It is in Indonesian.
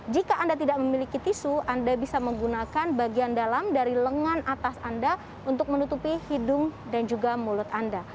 jika anda tidak memiliki tisu anda bisa menggunakan bagian dalam dari lengan atas anda untuk menutupi hidung dan juga mulut anda